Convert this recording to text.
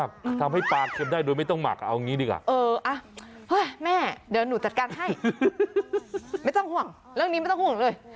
คือเค็มมือแม่นี่กินไปเหอะอีโยะ